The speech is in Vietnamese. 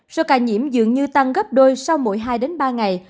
số ca nhiễm dường như tăng gấp đôi sau mỗi hai đến ba ngày